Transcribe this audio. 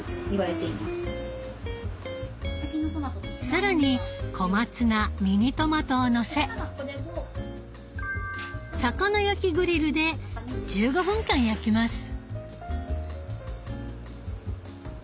更に小松菜ミニトマトをのせ魚焼きグリルで１５分間焼きます。